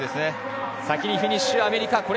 先にフィニッシュはアメリカ。